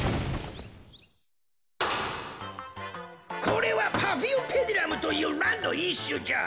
これはパフィオペディラムというランのいっしゅじゃ。